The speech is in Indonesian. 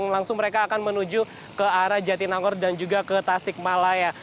langsung mereka akan menuju ke arah jatinangor dan juga ke tasik malaya